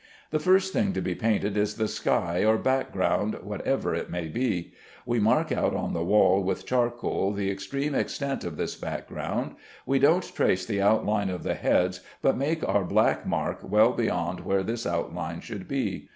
The first thing to be painted is the sky or background, whatever it may be. We mark out on the wall with charcoal the extreme extent of this background. We don't trace the outline of the heads, but make our black mark well beyond where this outline should be.